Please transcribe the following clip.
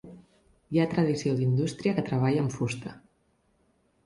Hi ha tradició d'indústria que treballa amb fusta.